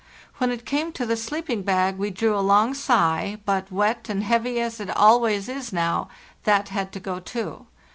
When it came to the sleep ing bag we drew a long sigh, but, wet and heavy as it always is now, that had to go too.